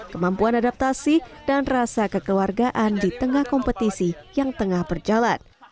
kemampuan adaptasi dan rasa kekeluargaan di tengah kompetisi yang tengah berjalan